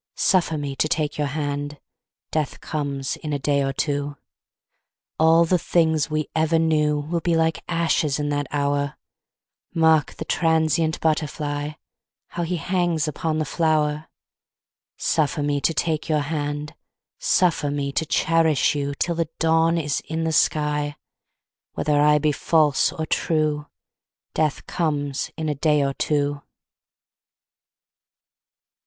Suffer me to take your hand. Death comes in a day or two. All the things we ever knew Will be ashes in that hour, Mark the transient butterfly, How he hangs upon the flower. Suffer me to take your hand. Suffer me to cherish you Till the dawn is in the sky. Whether I be false or true, Death comes in a day or two.